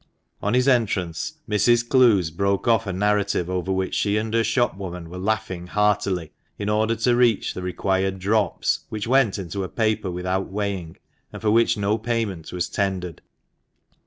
On his entrance Mrs. Clowes broke off a narrative over which she and her shopwoman were laughing heartily, in order to reach the required drops, which went into a paper without weighing, and for which no payment was tendered.